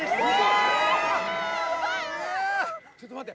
ちょっと待って。